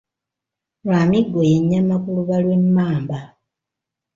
Lwamiggo ye nnyama ku luba lw’emmamba.